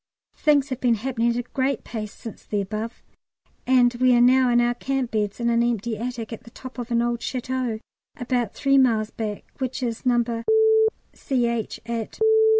Things have been happening at a great pace since the above, and we are now in our camp beds in an empty attic at the top of an old château about three miles back, which is No. C.H., at